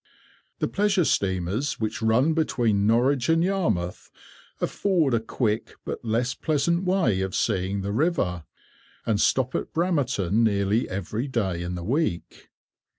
The pleasure steamers which run between Norwich and Yarmouth afford a quick but less pleasant way of seeing the river, and stop at Bramerton nearly every day in the week.